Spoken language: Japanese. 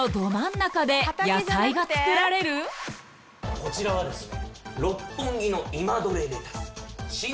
こちらはですね。